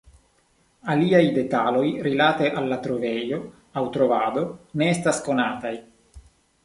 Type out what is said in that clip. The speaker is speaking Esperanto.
Aliaj detaloj rilate al la trovejo aŭ trovado ne estas konataj.